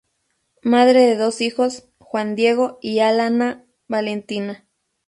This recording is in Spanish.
Madre de dos hijos: Juan Diego y Alana Valentina.